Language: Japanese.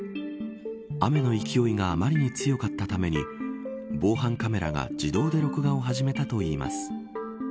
雨の勢いがあまりに強かったために防犯カメラが自動で録画を始めたといいます。